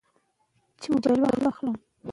که فرش وي نو ځمکه نه یخوي.